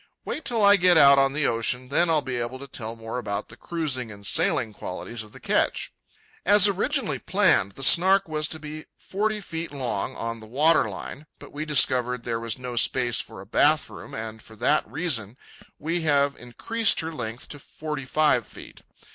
Wait till I get out on the ocean, then I'll be able to tell more about the cruising and sailing qualities of the ketch. As originally planned, the Snark was to be forty feet long on the water line. But we discovered there was no space for a bath room, and for that reason we have increased her length to forty five feet.